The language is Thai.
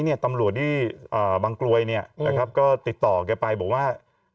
เนี่ยตำรวจที่บังกลวยเนี่ยก็ติดต่อไปบอกว่า